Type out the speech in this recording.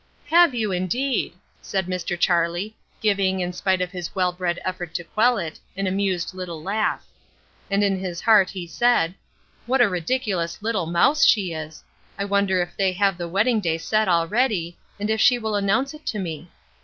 "Have you indeed!" said Mr. Charlie, giving, in spite of his well bred effort to quell it, an amused little laugh. And in his heart he said, "What a ridiculous little mouse she is! I wonder if they have the wedding day set already, and if she will announce it to me?"